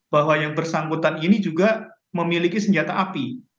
bahwa yang bersangkutan ini juga memiliki senjata api